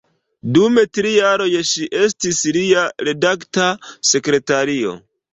Dum tri jaroj ŝi estis lia redakta sekretario.